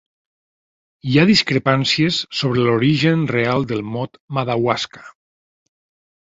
Hi ha discrepàncies sobre l'origen real del mot "Madawaska".